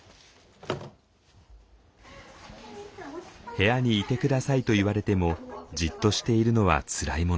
「部屋にいて下さい」と言われてもじっとしているのはつらいものです。